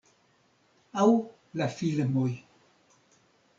Aŭ la filmoj.